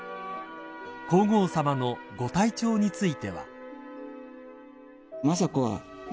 ［皇后さまのご体調については］